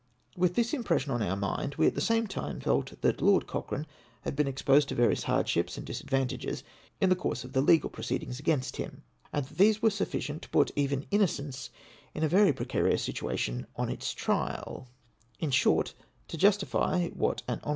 With this impression on our mind, we at the same time felt that Lord Cochrane had l^een exposed to various hard ships and disadvantages, in the course of the legal proceedings against him ; and that tliese were sufficient to put even inno cence in a very precarious situation on its trial ; iu short, to justify what an hon.